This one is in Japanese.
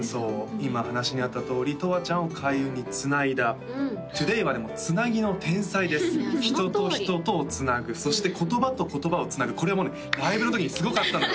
今話にあったとおりとわちゃんを開運につないだトゥデイはでもつなぎの天才です人と人とをつなぐそして言葉と言葉をつなぐこれはもうねライブのときにすごかったのよ